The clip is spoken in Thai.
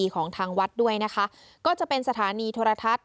ของทางวัดด้วยนะคะก็จะเป็นสถานีโทรทัศน์